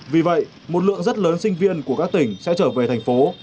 vì vậy một lượng rất lớn sinh viên của các tỉnh sẽ trở về thành phố